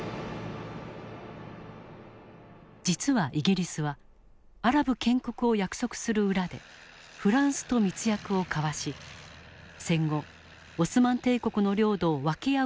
実はイギリスはアラブ建国を約束する裏でフランスと密約を交わし戦後オスマン帝国の領土を分け合う事を企てていた。